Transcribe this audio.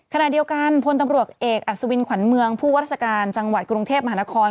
ขณะเดียวกันพลตำรวจเอกอัศวินขวัญเมืองผู้ว่าราชการจังหวัดกรุงเทพมหานคร